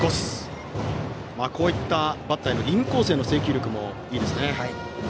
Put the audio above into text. バッターのインコースへの制球力もいいですね。